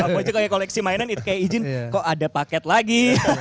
aku aja kayak koleksi mainan itu kayak izin kok ada paket lagi